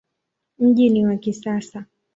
Mji ni wa kisasa.